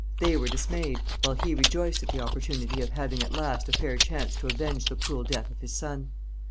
They were dismayed, while he rejoiced at the opportunity of having at last a fair chance to avenge the cruel death of his son.